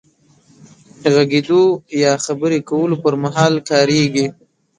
غږېدو يا خبرې کولو پر مهال کارېږي.